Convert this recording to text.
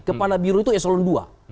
kepala biru itu eselon dua